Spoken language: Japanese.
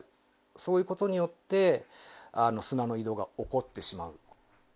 そういうことによって砂の移動が起こってしまう。